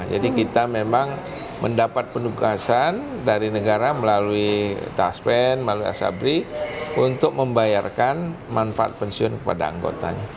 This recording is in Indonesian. jadi kita memang mendapat penugasan dari negara melalui taspen melalui asabri untuk membayarkan manfaat pensiun kepada anggotanya